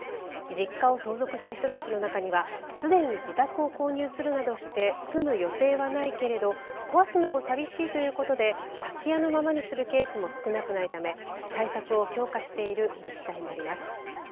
実家を相続した人たちの中にはすでに自宅を購入するなどして住む予定はないけれど壊すのもさみしいということで空き家のままにするケースも少なくないため対策を強化している自治体もあります。